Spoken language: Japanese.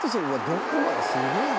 どこまですごいな！」